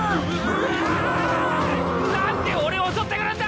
何で俺を襲ってくるんだ！